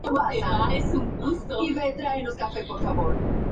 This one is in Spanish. Lodge sería un elocuente defensor de la superioridad de la raza anglosajona.